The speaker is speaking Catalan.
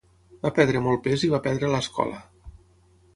Va perdre molt pes i va perdre l'escola.